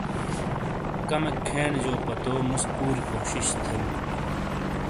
کمک کھینے جو پتو مُوسے پُوری کوشش تھے۔